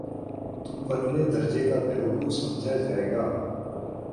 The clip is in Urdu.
تو پرلے درجے کا بیوقوف سمجھا جائے گا۔